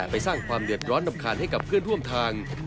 สร้างความเดือดร้อนรำคาญให้กับเพื่อนร่วมทาง